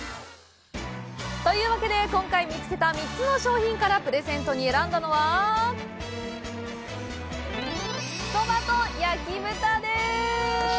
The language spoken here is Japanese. というわけで今回見つけた３つの商品からプレゼントに選んだのはそばと焼き豚です！